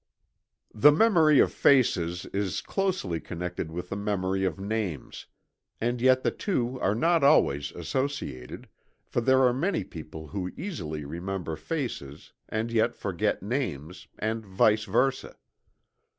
The memory of faces is closely connected with the memory of names, and yet the two are not always associated, for there are many people who easily remember faces, and yet forget names, and vice versa.